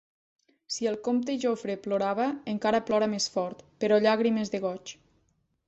Si el comte Jofre plorava, encara plora més fort, però llàgrimes de goig.